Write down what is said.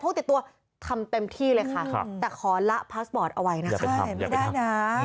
พวกติดตัวทำเต็มที่เลยค่ะค่ะแต่ขอละเอาไว้นะครับไม่ได้น่า